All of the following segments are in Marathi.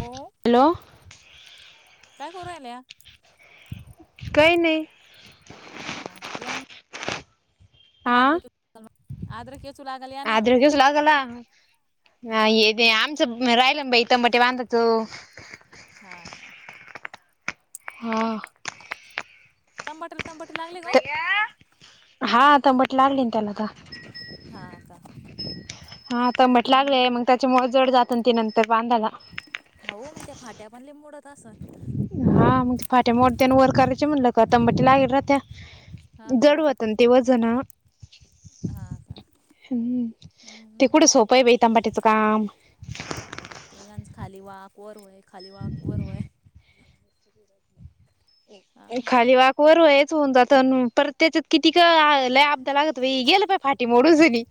हो हॅलो कायं करूरायल्यां कांहीं नाहीं हा यां मंग हह अद्रक येचू लागल या ना अ्रग सलागला हा हे आमचं राहिलं बा इथं मठ बांधायच हा का हा तंबाटला तंबाटे लागले ग हा तंबट लागली ना त्याला तर हां काू हा तर म्हट लागलेय मग त्याचे मळ जड जात ना ती नंतर बांधाला हांउव मंग त्यां फाट्यां पनले मोडतं असंण हा मंग फाट्यां मोडतेयां वर करायंचे म्हणलं की तंमांटे लागेल हा रहातांत हा जड होतं ते वजन हां का पय बई टंबाट्याच काम [unintelligible] खाली वाक वर होय खाली वाक वर होय हा खाली वाक वर व्हयच हुन जात अन परत त्याच्यात किती का ल अबदा लागत गेलं प फाटी मोडू सगळी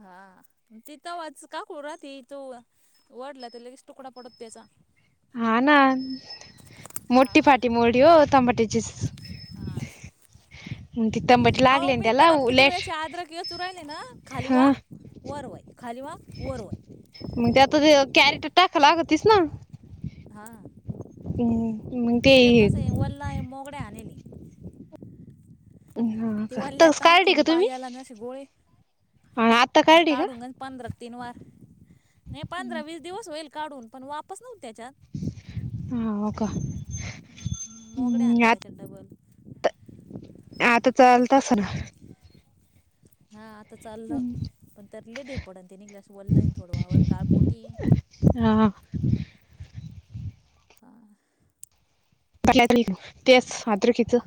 हा तिथ वचका करू राहती तू ओढलं तर लगेच टुकडा पडत त्याचा हा ना मोठी हा फाटी मोडी हो तंबाट्याचीच हा ना मग ती तंबाटी अहो लागली ना मी पण त्याला अता किती लेट वेळचे आदर कि वेचू राहिले ना खाली हा वाक वरवय खाली वाक वरवय मग ते आ ते कॅरेट टाका लागतीस ना हा हम्म, मग आणि ते त्याच्यात कस आहे वल्ला हे मोगड्या आणिल हा आणि ती का वाली आत्ताच आता काढली आणखीन का तुम्ही पायाला आणि अशे गोळे हा, आत्ता म्हणजे काढली का काढून गण पंधरा तीन वार नाही पंधरा वीस दिवस होईल काढून पण वापस नव्हत त्याच्यात ह होका मोगड्या आणला त्याच्या डबल आता चल [inaudible] हा आता चाललं पण तर लेट हे पडन त्यांनी क्लास वललाईन थोडंवर काळ पोटी हा हा [inaudible] [unintelligible] तेच आदरकीचं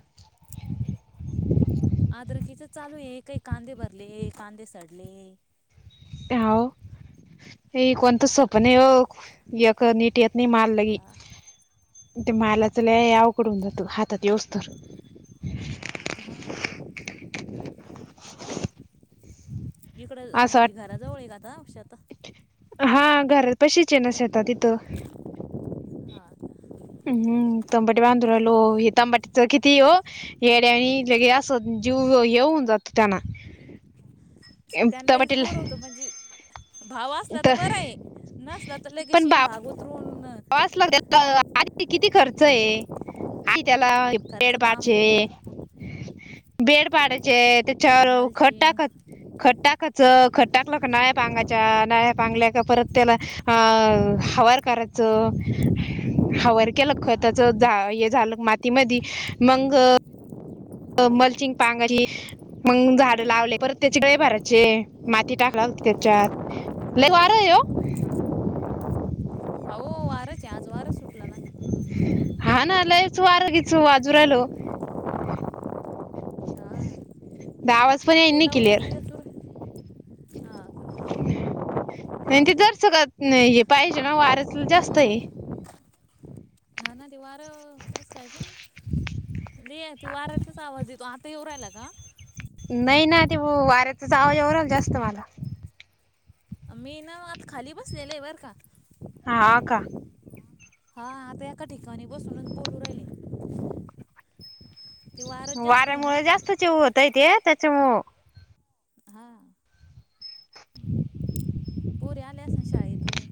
आद्रकीच चालू आहे काही कांदे भरले कांदे सडले हाव हे कोणतं हा सोप नाही वो यक नीट येत नाही माल लगी हा ते माला च लई अवघड हून जातं हातात येवूस तर हा [inaudible] इकड असं म्हणजे वाट घराजवळ का आता शेतात हा घरात पशीचय ना शेतात इथ हा हम्म तंबटे बांधू रायलो हे तंबाटीच किती हो येड्या आणि लगे असत जीव येऊन जातो त्यांना त्यांनाहीच बोर तंबाटीला होतो म्हणजे भाव असला तर बर आहे नसला तर लगेशीन भाव उतरून पाच लाख त्या आध किती खर्च आहे आ त्याला खर्च बेड बांबू पाडचे बेड पाडायचे चारू खत मल्चिंग टाकत खत टाकाच खट्टाकलं नाळ्या पांगाच्या नाळ्या पांगल्या का परत त्याला हा हवार करा च हवार केलं हा खताच झालं हे झाल मातीमध्ये मंग अ मलचिंग पांगची मग झाड लावले परत त्याचे गळे भरायचे माती टाकला [unintelligible] त्याच्यात लई वाराय ओ हो वारचाय आज वारच सुटला ना हा ना लयच वारगीच वाजू रायलो हा दावाजपण आ ते इन लावल्या क्लिअर ना याचूर हा आणि ते जरच का हे पाहिजे ना वरच जास्त आहे हा ना ते वार कस काय ग लई त वारतच आवाज येतो आता ते येव रायला का नाही ना आ ते वाऱ्याचाच आवाजव रायल जास्त मला मी ना आता खाली बसलेलंय, बरं का? हा का. हा, आता एका ठिकाणी बसूनच बोलू राहिले. ते वारच जास्त आहे ना. त्या होतय ते, त्याचे म हा, पोरी आल्यासन शाळेतून?